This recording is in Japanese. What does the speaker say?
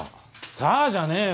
さあじゃねぇよ。